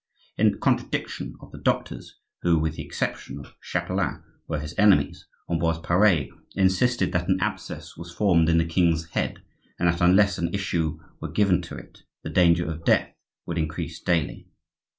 In contradiction of the doctors, who, with the exception of Chapelain, were his enemies, Ambroise Pare insisted that an abscess was formed in the king's head, and that unless an issue were given to it, the danger of death would increase daily.